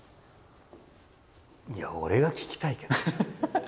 いや俺が聞きたいけど。